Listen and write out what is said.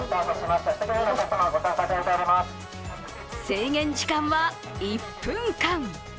制限時間は、１分間。